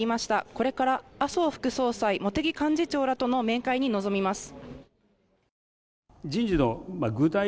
これから麻生副総裁、茂木幹事長らとの面会に臨みます。